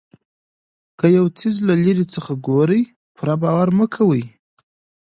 که یو څیز له لرې څخه ګورئ پوره باور مه کوئ.